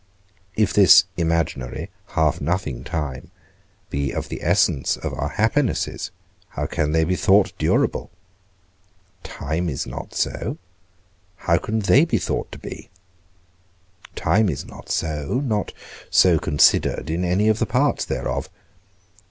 If this imaginary, half nothing time, be of the essence of our happinesses, how can they be thought durable? Time is not so; how can they be thought to be? Time is not so; not so considered in any of the parts thereof.